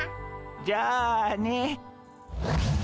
じゃあね。